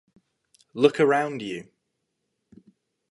Look around you!